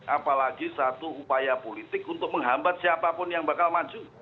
apalagi satu upaya politik untuk menghambat siapapun yang bakal maju